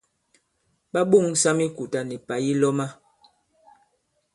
Ɓa ɓoŋsa mikùtà nì pà yi lɔ̄ma.